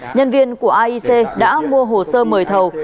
nhân viên của aic đã mua hồ sơ mời thầu